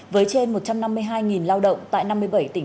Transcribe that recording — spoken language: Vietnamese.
với trên một trăm năm mươi hai lao động tại năm mươi bảy tỉnh